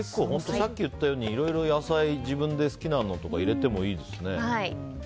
さっき言ったようにいろいろ野菜自分が好きなのを入れてもいいですね。